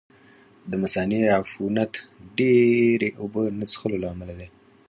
د مثانې عفونت ډېرې اوبه نه څښلو له امله دی.